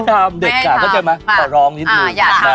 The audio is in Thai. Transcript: อาจารย์ขอร้องเลย